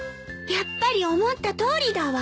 やっぱり思ったとおりだわ！